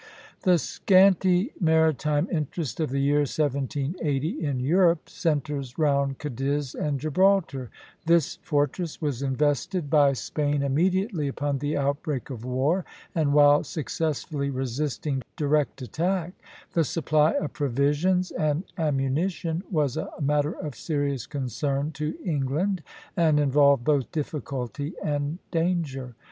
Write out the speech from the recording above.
The scanty maritime interest of the year 1780, in Europe, centres round Cadiz and Gibraltar. This fortress was invested by Spain immediately upon the outbreak of war, and, while successfully resisting direct attack, the supply of provisions and ammunition was a matter of serious concern to England, and involved both difficulty and danger.